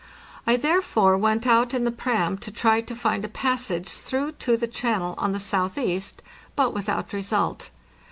I therefore went out in the "pram" to try to find a passage through to the channel on the southeast, but without result.